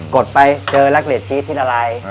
กดไปเจอกลับเลสชีสที่ละลาย